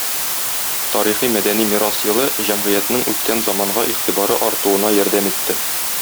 Тарихи-мәдәни мирас елы җәмгыятьнең үткән заманга игътибары артуына ярдәм итте.